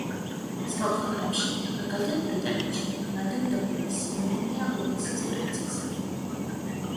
სხვა ქვეყნებში, მაგალითად ბრიტანეთში, მადამ დოფინის სინონიმია უელსის პრინცესა.